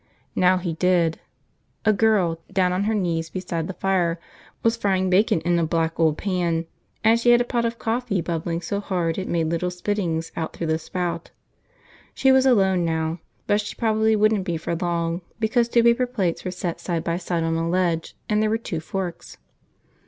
Now he did. A girl, down on her knees beside the fire, was frying bacon in a black old pan, and she had a pot of coffee bubbling so hard it made little spittings out through the spout. She was alone now, but she probably wouldn't be for long because two paper plates were set side by side on a ledge, and there were two forks.